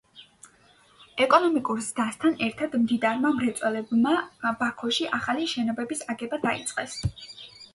ეკონომიკურ ზრდასთან ერთად მდიდარმა მრეწველებმა ბაქოში ახალი შენობების აგება დაიწყეს.